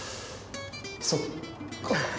そっかあ。